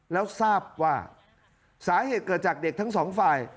แล้วทราบว่าสาเหตุเกิดจากเด็กทั้งสองฝ่าย